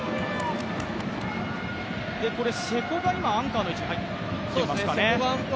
瀬古が今、アンカーの位置に入っていますね。